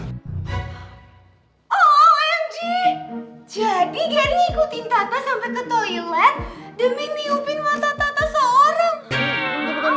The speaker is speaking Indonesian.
jadi gary ikutin tata sampe ke toilet demi niupin mata tata seorang